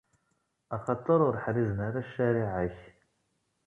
Axaṭer ur ḥrizen ara ccariɛa-k.